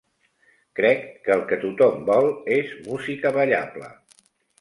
Crec que el que tothom vol és música ballable.